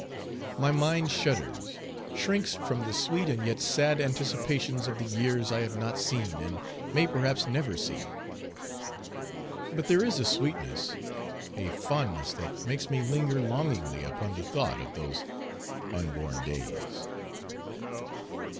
My mind shudders, shrinks from the sweet and yet sad anticipations of the years I have not seen and may perhaps never see. But there is a sweetness, a fondness that makes me linger longingly upon the thought of those unborn days.